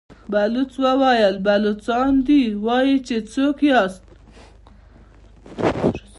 بلوڅ وويل: بلوڅان دي، وايي چې څوک ياست؟